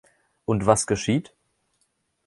Und was geschieht?